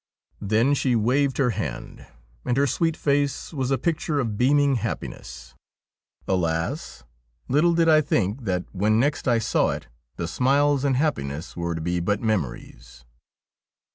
Then she waved her hand, and her sweet face was a picture of beaming happiness. Alas ! little did I think that when next I saw it the smiles and happiness were to be but memories.